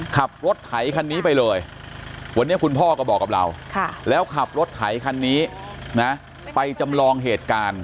ขับรถไถคันนี้ไปเลยวันนี้คุณพ่อก็บอกกับเราแล้วขับรถไถคันนี้นะไปจำลองเหตุการณ์